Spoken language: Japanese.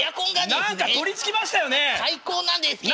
何か取りつきましたよね。